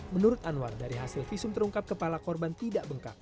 menurut anwar dari hasil visum terungkap kepala korban tidak bengkak